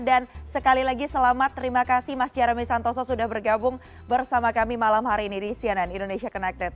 sekali lagi selamat terima kasih mas jeremy santoso sudah bergabung bersama kami malam hari ini di cnn indonesia connected